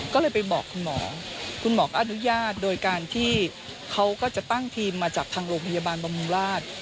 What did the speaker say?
ก็เลยไปบอกคุณหมอคุณหมอก็อนุญาตโดยการที่เขาก็จะตั้งทีมมาจากทางโรงพยาบาลบำรุงราช